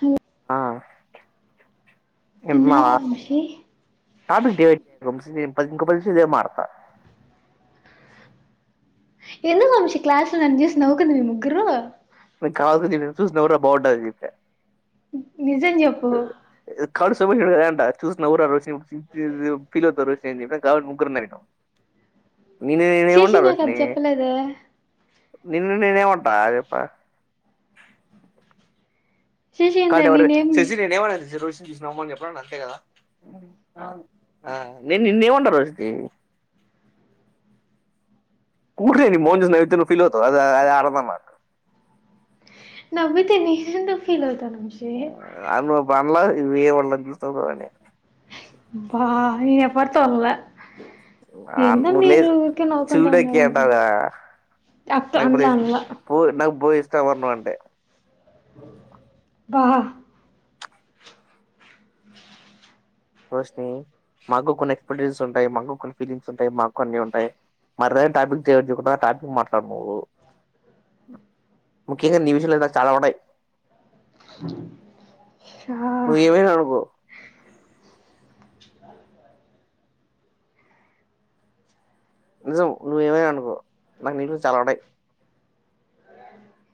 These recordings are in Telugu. హా ఆ ఇంక మా తిన్నావా వంశీ టాపిక్ డివైడ్ చేయకు వంశీ నెన్ ఇంకో పది నింశాల్ ఇదే మడత ఎందుకు వంశీ క్లాస్ లో నన్ను జూస్ నవ్వుకుంది మీరు ముగ్గురు. మేం కావాలనే జేసాం చూసి నవ్వుర బాగుంటది అని చెప్పా. నిజం జేప్పు. నేను అదే అంట చూసి నవ్వురా [unintelligible] ఫీలవుతారు. [unintelligible] కావలన్ ముగ్గురున్నారు ఇంకా నిన్ను నేనేమంటా శేషి నాకు రోష్ని అది చెప్పలేదే నిన్ను నేనేమంటా చేప్పు శేషి ఏందే కాద్ ఓరయ్ నేనేమి శశి నేనేమన్నా శశి రోష్నీ చూస్ నవమని చెప్పన్ అంతే గదా అ నేన్ నిన్నేమంటా రోష్నీ ఉర్కే ని మోహం చూస్ నవ్వితే నువ్ ఫీల్ అవ్తవ్ అదే అ అ ఆరవమక నవ్వితే నేన్ ఎందుక్ ఫీల్ అవుతాను వంశీ ఆమె బండ్ల ఏమన్న జూస్తావని అబ్బా ఎవరితో అన్లా ఆ ములే ఉన్నారు చూడకె అనుకున్న. అట్లా అన్నవ్ అనలా అనలా గద [unintelligible] అన్నావ్ అంటే ఆ హ రోష్ని మాకు కొన్ని ఎక్సపెక్టషన్స్ ఉంటయ్. మాకు కొన్ని ఫీలింగ్స్ ఉంటాయ్. మాక్ కొన్ని ఉంటాయ్ మర్ర ఈ టాపిక్ తెవద్దు ఓకేనా ఆ టాపిక్ మాట్లాడ్ నువ్వు ముఖ్యంగా నీ విషయలైనా చాలా ఉన్నయ్ షా నువ్ ఎమైన అనుకో నిజం నువ్వేమైననుకో నాక్ నీ గురించి చాలా ఉన్నాయ్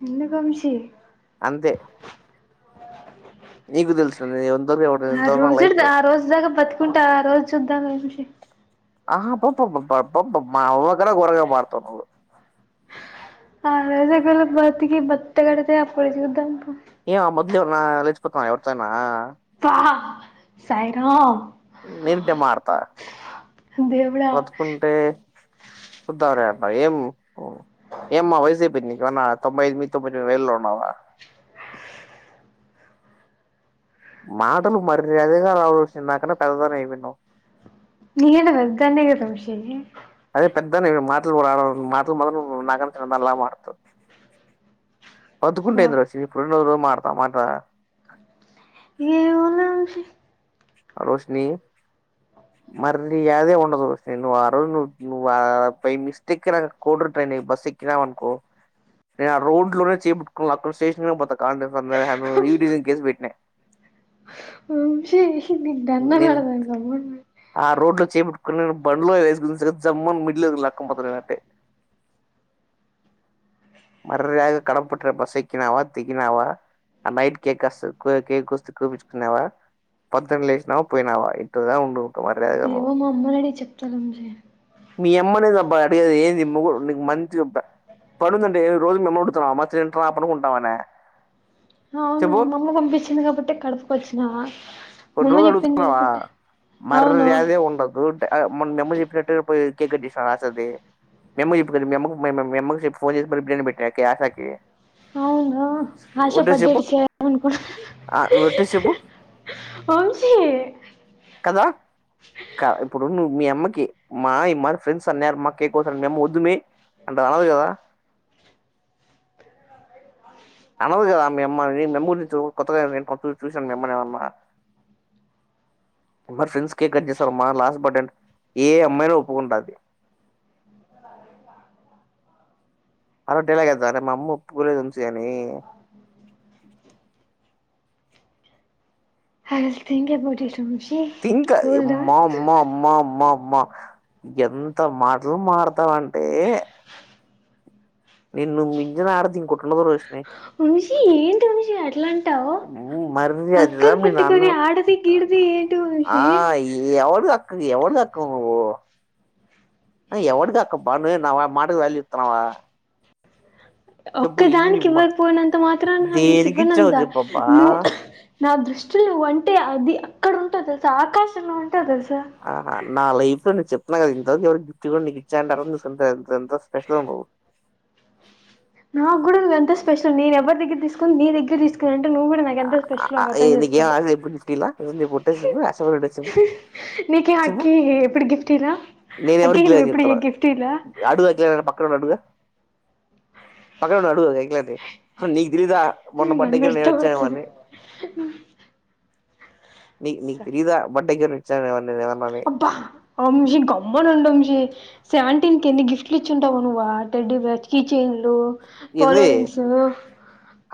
ఎందుక్ వంశీ అంతే నీకు తెలుసు నేను ఎంతవరకు ఎవరు ఆ ఎంతవరకు నా లైఫ్ రోజుడ్ ఆ రోజ్ దాకా బతుకుంట ఆ రోజ్ చూద్దాంలే వంశీ ఆహ అబ్బబ్బబ్బబ్బ మా అవ్వ కన్నా గోరంగా మాట్లాడతావ్ నువ్వు అదే గదా బతికి బట్ట కడతే అప్పుడు చూద్దాం పో ఏమ! ! ! ! ! ! ! ! ! ! ఎవర్ తో అయినా పా సాయిరాం నివుంటే మార్తా దేవుడా బతుకుంటే సుద్దంలే అబ్బ ఏం ఏమ్మా వయసైపోయింది. ఏమన్న తొంభై ఎనమిది తొంభై తొమ్మిది వెేళ్ళు ఉన్నామా మాటలు మర్యాదగా రావాల్సి నాకన్నా పెద్దద ఏన్నావ్ నీకంటే వద్దాన్ని గ వంశీ పెద్దాని గా మాటల్ రావు మాటల్ మల్ల నువ్ నాకన్నా చిన్నదానిలా మాట్లాడతావ్ బతుకుంటే పా ఏంది రోష్ని [unintelligible] ఏమన్నా వంశీ రోష్ని మల్లి అదే ఉండదు రోష్ని నువ్ ఆ రోజ్ నువ్ నువ్వా బై మిస్టేక్ గ నాక్ బస్ ఎక్కినవనుకో నేన్ ఆ రోడ్ లోనే చీప్ [unintelligible] స్టేశన్ పొత్ [unintelligible] కేసు పెట్నా వంశీ నిక్ దండం నేను పెడతానరా నమ్మండి అక్కడ నేన్ బండ్లో వేసుకు చూసానా జమ్మని మిడ్లేదు లక్కంపోత నేనైతే అరె కడం పెట్ బస్సె ఎకినామా దిగినామా ఆ నైట్ కేక్ అస్తద్ కేక్ అస్తే కోపించుకున్నావా పంతెం లేస్ వచ్చినవ పోయినావా ఇట్టనే ఉండు మరి అదే నువ్వు ఏమో మా అమ్మని అడిగి చెప్తాలే వంశీ మీ అమ్మ అ ఏంది ముగు నిక్ మంచిగ్ చేప్ప పనుందండి రోజ్ మిమ్మల్ని అడుగుతమా మ తింటావా పన్డుకుంటామనే అవును మామ్మ పంపించింది కాబట్టే కడుపుకోచ్చినావా పోన్ రోజ్ అడుగుతున్నామా అవును మర్ర్యాధే ఉండదు అ మోన్ మి అమ్మ చెప్పినట్టు పోయ్ కేక్ కట్ చేస్నావా [unintelligible] మి అమ్మక్ చెప్పుకోండి మీ అమ్మక్ మ మీ అమ్మక్ చెప్ప్ ఫోన్ చేసి [unintelligible] ఆశాకి అవును ఒట్టేస్ చెప్పు ఆశపడ్డట్టు చేయను అనుకున్నా అ ఒట్టేస్ చెప్పు వంశీ కదా కా ఇప్పుడు నువ్వ్ మి అమ్మకి మా మరి ఫ్రెండ్స్ అన్నారు మాకే కోస మి అమ్మ వద్దుమే అంటె అనదు గదా అనదు గదా మి అమ్మ అది [unintelligible] కొత్తగా నేను కొ చూసాన మి అమ్మన్ ఏమన్న మరి ఫ్రెండ్స్ కేకట్టేస్తర్ అమ్మ లాస్ట్ బడ్డే అన్ ఏ అమ్మైనా ఒప్పుకుంటాది అలో [unintelligible] మా అమ్మ ఒప్పుకోలేదు ఏం చేయాలి I will think about it Vamshi think cool M down మ్మ మ్మ మ్మ మ్మ మ్మ ఎంత మాటలు మాటడ్తావంటే నిన్ను మించిన ఆడది ఇంకోటి ఉండదు రోషిణి వంశీ ఏంటి వంశీ అట్ల అంటావ్ మర్యాద అక్కని మీ పట్టుకొని నాన్న ఆడది గిడది ఆ యెవడు అక్కకి యెవడి అక్కవ్ నువ్వు అ ఎవడికి అక్క [unintelligible] నా మాటకు వాల్యూ ఇత్తున్నావా ఒక్కదానిక్ ఇవ్వక్పోయినంత మాత్రన దేనికి ఇచ్చావు నీకివ్వనంద చెప్పబ్బా నువ్ నా దృష్టిల్ నువంటే అది అక్కడ ఉంటవ్ తెల్సా ఆకాశంలో ఉన్ ఆహా నా లైఫ్ అని చెప్ ఇంత ఎవ గిఫ్ట్ కుడా నీకిచ్చ ఎంత స్పెషలొ నువ్ నాగూడ నువ్వెంత స్పెషల్ నేన్ ఎవ్వర్ దగ్గర తీస్కొని నీ దగ్గర తీసుకున్ టె నువ్ గుడ నాక్ ఆ, ఎంత ఆ, స్పెషలో ఆ, ఏ, అర్థం చేస్కో నీకేం ఆశ ఇప్పుడు గిఫ్ట్ ఇలా నీ పుట్టే చెప్పు ఆశపడి చెప్పు నీక్ ఈ అక్కి ఎప్పుడు గిఫ్ట్ ఇయ్యల నేన్ ఎవ్వర్కియ్యలే అని చెప్తున్న అడ్గ్ అజయ్ అన్నని పక్కనున్నడ్ అడ్గు పక్కనున్నడ్ అడ్గు ఇంకంటే హు నీక్ దెలీదా మొన్న బడ్డేకి ఇర్వై [unintelligible] నిక్ నిక్ అసలు తెలీదా బడ్డేకి ఏం ఇచ్చానని అబ్బా వంశీ గమ్మునుండ్ వంశీ సెవెన్ టీన్ కి ఎన్ని గిఫ్ట్లీచ్చింటావు నువ్వా టెడ్డి బేర్ కీచైన్లు పోలో ఇది రింగ్సు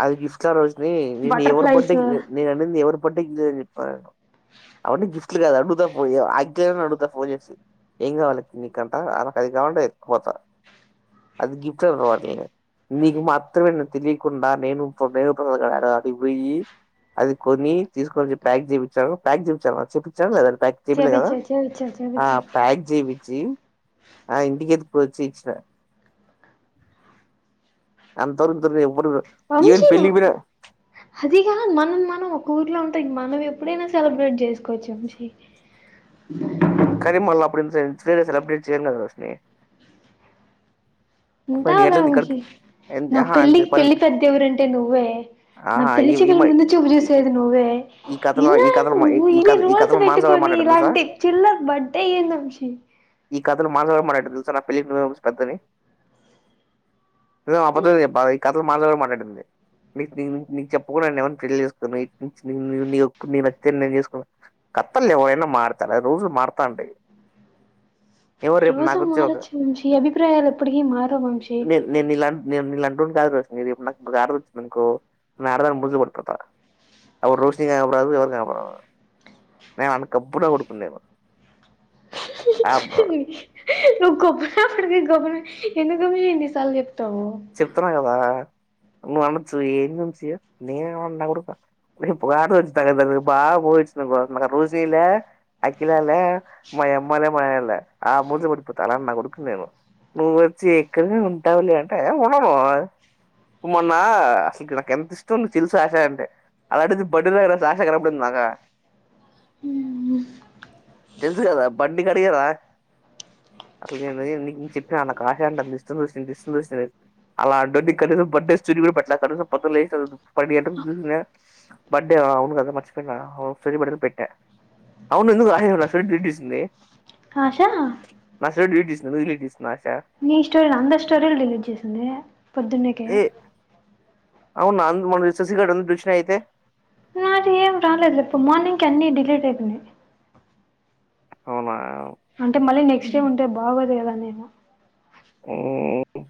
అది గిఫ్ట్ల ఆ రోజుని నేను ఎవరు బడ్డే బటర్ఫ్లైస్ కి నేను అనేది ఎవర్ బర్త్డేఅవన్ని గిఫ్ట్లు కాదా అడుగుత ఫోన్ చేసి ఏం కావాలె పిన్ని కంట అమెక్ [unintelligible] అది గిఫ్ట్ అనరు వాట్ని నీకు మా అత్త విలువ తెలియకుండా నేను ఆడికి వొయ్యి అది కొని తీస్కొచ్చి ప్యాక్ చేపిచాను ప్యాక్ చెప్పిచాన చూపించావా లేద పాక్ చెపిల్లే కదా చేపిచ్చావ్ చేపిచ్చావ్ ఆ చేపిచ్చావ్ ప్యాక్ చెపి చ్చి అద్ ఇంటిక్ ఎత్తుకొచ్చి ఇచ్చిన అంతర్ లేవ్ వంశీ హది గాద్ మనం మనం ఒక ఊర్లో ఉన్ తం మనం ఎప్పుడైనా సెలబ్రేట్ చేస్కోవచ్చు వంశీ కాని మళ్ళ అప్పుడ్ ఏం సెలబ్రేట్ చేయర్ గద రోష్ని ఉంటాయ్ లే వంశీ ఎంత నా ఆహా అంతే పెళ్లిక్ పెళ్లి పన్నెండు పెద్ద ఎవరంటే నువ్వే నా ఆహా పెళ్లి ఈ ఈ చూపుల్ మ ముందు చూపు ఈ చూసేది నువ్వే ఈ కథలో ఈ కథలో ఇన్నవ్ ఈ ఇన్ని కథ ఈ రూల్స్ కథలో మానస గాడు పెట్టుకొని మాట్లాడింది తెలుసా ఇలాంటి చిల్లర్ బర్డే ఏంది వంశీ ఈ కథలు మా [unintelligible] పెద్దని నువ్వేం అబద్ధం చెప్పావా ఈ మాతోటే మాట్లాడింది నిక్ నీ నిక్ చెప్పుకుండా నేన్ ఎవర్ని పెళ్లి చేస్కోను [unintelligible] కత్తలు ఎవరైనా మాడ్తర రోజులు మార్తాంటయ్ ఎవో రేపు రోజు నాకు వచ్చే ఒక మారొచ్చు వంశీ అభిప్రాయాలు ఎప్పటికీ మారవు వంశీ నేను ఇలాంటి నేను నీలంటోడు కాదు లాసక్మి ఇప్పు నాకు ఆడద వచ్చింది ఇకో నను ఆరదని ముజ పడిపోతా అప్పుడు రోషనీ కాపడదు ఎవరు కాపడ నేను అందు కప్పుడా కొడుకుందేను ని [unintelligible] ఎన్ని సార్లు చెప్ చెప్తున్నా కదా నువ్వు అనొచ్చు ఏంది వంశి నేను మన్న ఉరుక [unintelligible] బాగా పోయిచ్చిన బ రుశిలే అఖిలాలే మా అమ్మలేే మా నాన న్ ఆ మూ కొడిపోత అలా నా కొడుకు నేను నూవ్వోచ్చి ఇక్కడినే ఉంటానులే అంటే ఉండను మొన్నా అసలు ఇ నాకు ఎంత ఇష్టం తెలుసు ఆశ అంటే ఆలాంటిది బర్తడే రోజు నాక్ ఆశ కనపడింది నాకా తెలుసు కదా బండి కడిగారా అసల్ నేను నిక్ చెప్పి నాకు ఆశ అంట అంత ఇష్టం చూసిష్ట [unintelligible] అలాంటోన్ని [unintelligible] పొద్దున లేచిన పనేండు గంటలకు చుసిన బర్తడే అవును కద మర్చిపోయినా [unintelligible] చేసింది ఆశా [unintelligible] నాకా ని స్టోరీ అందరి స్టోరీలు డిలీట్ చేసింది పొద్దున్నకి అవున అంద్ మ [unintelligible] దృష్ణ అయితే నాది ఏం రాలేద్ లే ఇప్పు మార్నింగ్ కే అన్ని డిలేలీటైపోయినాయ్ అవునా అంటే మళ్ళీ నెక్స్ట్ డే ఉంటే బాగోదు కదా అనేమొ మ్మ్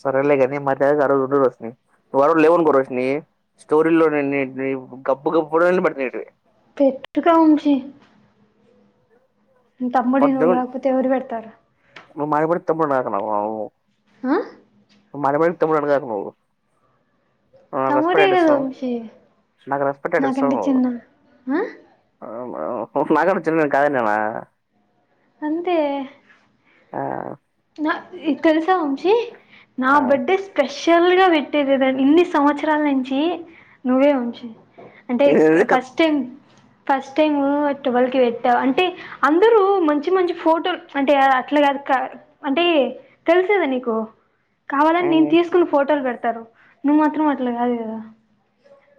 సరేలేగాని మరి ఆ రోజ్ [unintelligible] స్టోరీలో ని ఇదిగబ్బు గబ్బు [unintelligible] పెట్టుగా వంశీ మీ తమ్ముడివి నువ్వు గాకపోతే ఎవరు పెడ్తరు మా [unintelligible] గాకు [unintelligible] ఆ? నువ్వు ఆ రెస్పెక్ట్ తమ్ముడే ఏంటి కదా సామీ వంశీ నాకు రెస్పట్ ఇయ్యడం నాకంటే ఇస్టముండదు చిన్న ఆ? అవునా నాకన్నా చిన్నదే నిను కాదన్నానా అంతే ఆ తెలుసా వంశీ నా ఆ బర్త్డే స్పెష్ స్పెషల్ గా పెట్టేదిదా ఇన్ని సంవత్సరాల నుంచి నువ్వే వంశీ అంటే క్ ఇదేంది కథ first time first time twelve కి పెట్టా అంటే అందరు మంచి మంచి ఫోటోలు అంటే అట్లాగా క అంటే తెలూసుకదా నీకు కావాలని నేను ఏంది తీసుకున్న ఫోటోలు పెడ్ తారు నువ్వు మాత్రం అట్ల కాదు కదా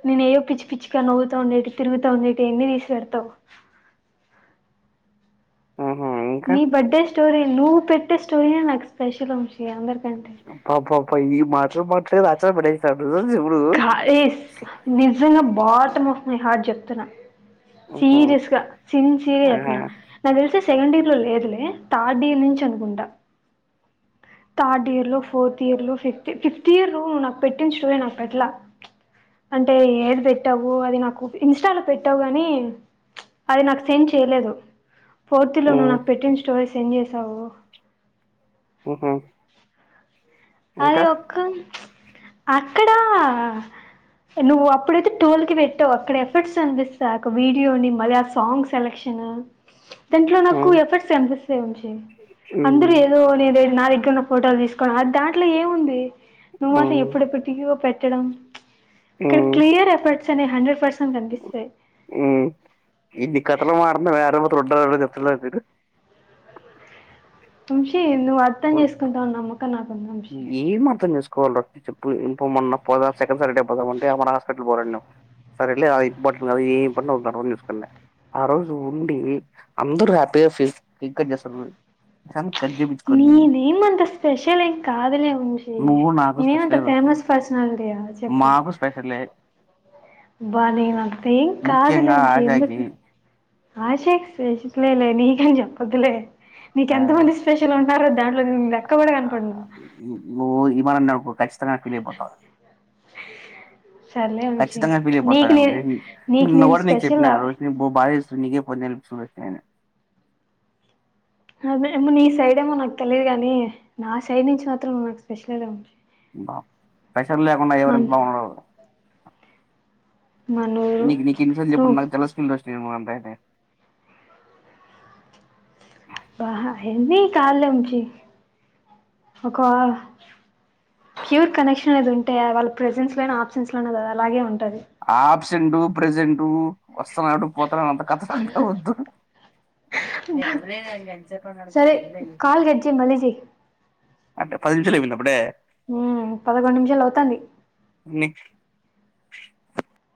నేను ఏయ్యొ పిచ్చి పిచ్చిగ నవ్వుతూ ఉండేవి తిరుగుత ఉండేవి అన్ని తీసి పెడుతావ్ ఆహా ఇంకా నీ బడ్డే స్టోరీ నువ్వు పెట్టే స్టోరియే నాకు స్పెషల్ వంశీ అందరి అబ్బా బ్బ బ్బ ఈ మాటలు మాట్లాడి ఆశను పడేసావ్ నువ్ గాయిస్ నిజంగా బాటమ్ ఆఫ్ మై హార్ట్ చెప్తున్నా ఉహు సీరియస్ గా సిన్సియర్ గా ఆహా చెప్తున్నా నాకు తెలిసి సెకండ్ ఇయర్ లో లేదులే థర్డ్ ఇయర్ నుంచి అనుకుంటా థర్డ్ ఇయర్ లో ఫోర్త్ ఇయర్ లో ఫిఫ్త్ ఫిఫ్త్ ఇయర్ లో నువ్వు నాకు పెటింది స్టోరీ నాక్ ఎట్లా అంటే ఏది పెట్టావు అది నాకు ఇన్స్టాలో పెట్టావు గాని అది నాకు సెండ్ చేయలేదు. ఫార్తులో నువ్వు ఉమ్ నాకు పెట్టిన స్టోరీస్ ఎం చేసావు అహ అరే ఒక్క అక్కడా నువ్వు అప్పుడైతే టువెల్ కి వెట్టావు అక్కడ ఎఫెర్ట్స్ అందిస్తా ఒక వీడియోని మళ్ళి ఆ సాంగ్ సెలక్ష కేనా దాంట్లో నాకు ఉమ్ ఎఫర్ట్స్ కనిపిస్తాయ్ వంశీ ఉమ్ అందరు ఏదో నీదేద్ నాదే కన్న ఫోటోలు తీసుకోవడం అది దాంట్లో ఏముంది నువయితె ఉమ్ ఎప్పుడెప్పటియో పెట్టడం. ఇక్కడ క్లియర్ ఎఫర్ట్స్ అనే హండ్రెడ్ పర్స్ మ్ ఏంది కథలు పాడ్తున్నారు యారో టుటల్ గా చెప్పలేదు మీరు వంశీ నువ్వు అర్థం చేసుకుంటవు అని నమ్మకం నాకు ఉంది. ఏమర్ధం చేసుకోవాల్ర చెప్పు ఇం పొమ్మన్న పోదా సెకండ్ సాటర్డే పోదామంటే మన హాస్పిటల్ పోవాలడ్నవ్ సరేలే అది ఇబ్బంది పాడుతుంది కదా ఏం ఇబ్బందో తర్వాత చూసుకుందం ఆ రోజు ఉండి అందరూ హ్యాపీగా ఫిస్ కేక్ కట్ చేస్తానన్నాడు సర్నె కట్ చేపించుకొని నేనేమంత స్పెషల్ ఏం కాదులే వంశీ నువ్వు నాకు నేనేమంత స్పెషల్ [unintelligible] ఫేమస్ పర్సనాలిటీ మాకు స్పెషలె బ్బా నె వంశీ కాదులే ముఖ్యంగా వంశీ ఆశాకి ఎందుకి? ఆశేక్ స్పెషతలే లే నీకని చెప్పొద్దులే నీక ఆ ఎంత మంది స్పెషల్ ఉన్నారో దంట్లో నేను లెక్క గూడ కనపడను. మ నువ్వు ఖచ్చితంగా ఫీలైపోతావు. సర్లే వంశీ కచ్చితంగా నీకు ఫీలైపోతావు నే మొ నీకు నేను నువ్వెవరు నీకు స్పెషల్ చేప్పినారు. ఆరోజు పోకు బాయ్స్ నికే పది నెల్లు [unintelligible] అదె ఎమో నీ సైడ్ ఏమో నాకు తెలియదు గాని, నా సైడ్ నుంచి మాత్రం నాకు స్పెషలె లె రా నొ స్పెషల్ లేకుండా ఎవరుంటున్నారొ మనూరు నీకు నీకు ఎన్ని సార్లు నువ్వు చెప్పున్న జెప్పిన నాకు తెలస్తందా. నేను మా అబ్బాయినే కాల్లోంచి ఒక క్యూట్ కనెక్షన్ అది ఉంటె అ వాళ్ళ ప్రెజెన్స్ లో, ఆబ్సెంన్స్ లోన అది అలాగే ఉన్ ఆబ్సెంటు, ప్రజెంటు వస్తననే ఉంట పోతనే ఉంట కథకల్ వద్దు. నేను వదిలేను ఎంతసేపు అని అడిగితే సరే వదిలేను కాల్ కట్ జేయ్ మళ్ళీ జేయ్ అంటే పది నిమిషాలు ఐపోయిందా అప్పుడే? హ్మ్ పదకొండు నిమిషాలు అవుతాంది. న్ని